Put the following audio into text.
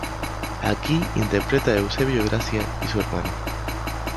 Aquí interpreta a Eusebio Gracia y su hermano.